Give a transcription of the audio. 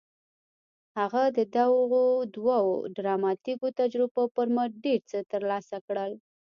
هغه د دغو دوو ډراماتيکو تجربو پر مټ ډېر څه ترلاسه کړل.